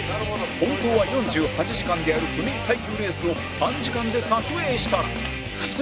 本当は４８時間でやる不眠耐久レースを短時間で撮影したら？